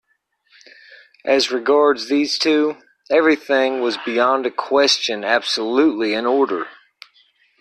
As regards these two, everything was beyond a question absolutely in order.